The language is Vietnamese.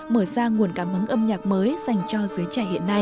mở ra nguồn cảm ứng âm nhạc mới dành cho dưới trẻ hiện nay